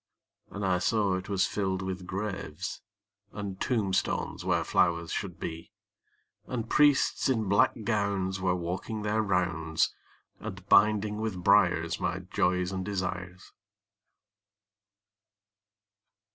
And I saw it was filled with graves, And tombstones where flowers should be; And priests in black gowns were walking their rounds, And binding with briars my joys and desires.